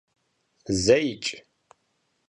Zeiç'i?